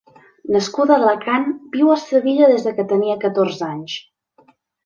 Nascuda a Alacant, viu a Sevilla des que tenia catorze anys.